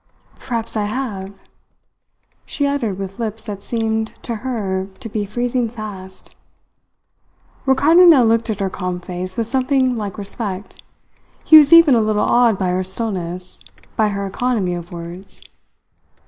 "Perhaps I have," she uttered with lips that seemed to her to be freezing fast. Ricardo now looked at her calm face with something like respect. He was even a little awed by her stillness, by her economy of words.